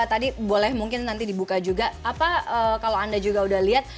tadi boleh mungkin nanti dibuka juga apa kalau anda juga udah lihat